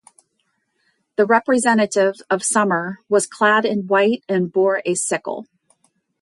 The representative of Summer was clad in white and bore a sickle.